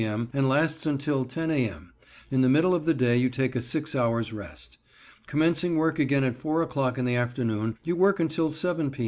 m. and lasts until 10 a. m. In the middle of the day you take a six hours' rest. Commencing work again at 4 o'clock in the afternoon you work until 7 p.